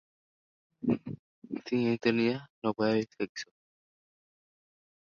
Las extremidades son cortas.